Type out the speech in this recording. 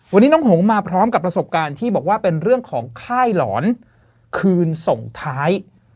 วันนี้น้องหงมาพร้อมกับประสบการณ์ที่บอกว่าเป็นเรื่องของค่ายหลอนคืนส่งท้าย